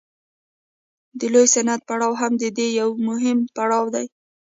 د لوی صنعت پړاو هم د دې یو مهم پړاو دی